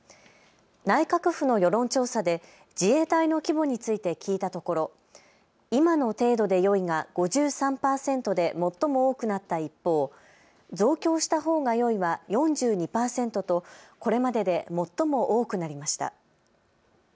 内閣府の世論調査で自衛隊の規模について聞いたところ今の程度でよいが５３％で最も多くなった一方、増強したほうがよいは４２％とこれまでで最も多くなりました。